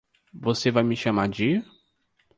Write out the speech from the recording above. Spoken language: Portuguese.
Você vai me chamar de?